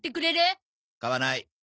買わない！